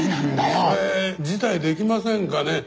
それ辞退できませんかね？